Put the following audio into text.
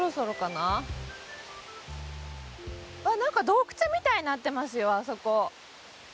なんか洞窟みたいになってますよあそこ。